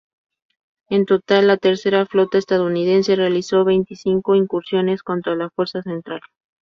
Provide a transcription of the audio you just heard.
En total, la Tercera Flota estadounidense realizó veinticinco incursiones contra la "Fuerza Central".